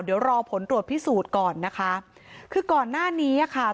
เดี๋ยวรอผลตรวจพิสูจน์ก่อนนะคะคือก่อนหน้านี้อ่ะค่ะ